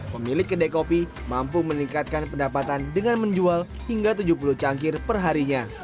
pemilik kedai kopi mampu meningkatkan pendapatan dengan menjual hingga tujuh puluh cangkir perharinya